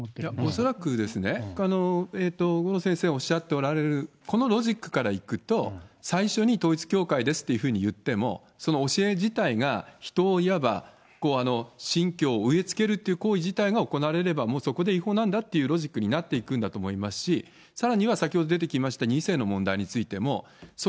恐らくですね、郷路先生がおっしゃっておられるこのロジックからいくと、最初に統一教会ですっていうふうに言っても、その教え自体が人をいわば、信教を植えつけるという行為自体が行われれば、もうそこで違法なんだっていうロジックになっていくんだと思いますし、さらには先ほど出てきました２世の問題についても、そ